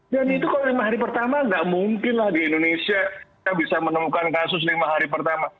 dan itu kalau lima hari pertama tidak mungkinlah di indonesia kita bisa menemukan kasus lima hari pertama